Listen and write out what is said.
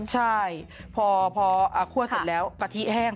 ใช่พอคั่วเสร็จแล้วกะทิแห้ง